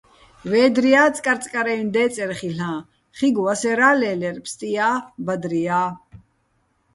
ვედრია́ წკარწკარაჲნო̆ დე́წერ ხილ'აჼ, ხიგო̆ ვასერა́ ლე́ლერ, ფსტია́, ბადრია́.